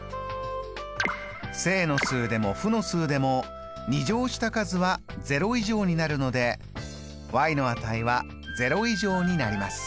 正の数でも負の数でも２乗した数は０以上になるのでの値は０以上になります。